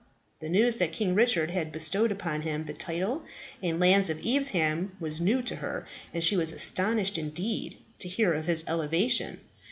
The news that King Richard had bestowed upon him the title and lands of Evesham was new to her, and she was astonished indeed to hear of his elevation.